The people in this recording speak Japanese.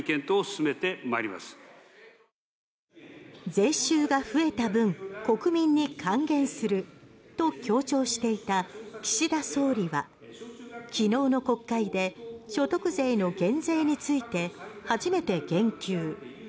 税収が増えた分国民に還元すると強調していた岸田総理は昨日の国会で所得税の減税について初めて言及。